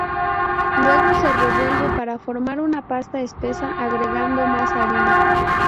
Luego se lo revuelve, para formar una pasta espesa agregando más harina.